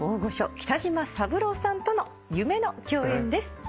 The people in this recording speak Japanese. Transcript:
北島三郎さんとの夢の共演です。